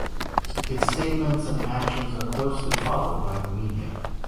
Its statements and actions are closely followed by the media.